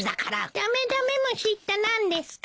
ダメダメ虫って何ですか？